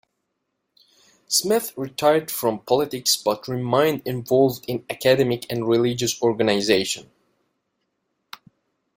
Smith retired from politics but remained involved in academic and religious organizations.